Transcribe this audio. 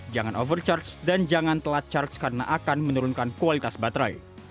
jangan overcharge dan jangan telat charge karena akan menurunkan kualitas baterai